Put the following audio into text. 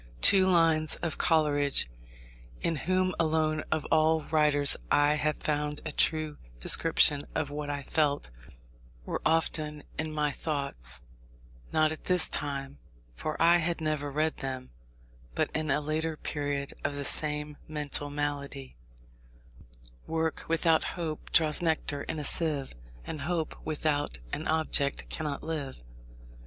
Two lines of Coleridge, in whom alone of all writers I have found a true description of what I felt, were often in my thoughts, not at this time (for I had never read them), but in a later period of the same mental malady: "Work without hope draws nectar in a sieve, And hope without an object cannot live."